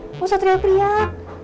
nggak usah teriak teriak